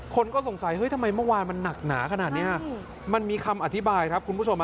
คนก็สงสัยเฮ้ยทำไมเมื่อวานมันหนักหนาขนาดนี้มันมีคำอธิบายครับคุณผู้ชม